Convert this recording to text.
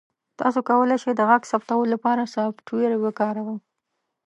تاسو کولی شئ د غږ ثبتولو لپاره سافټویر وکاروئ.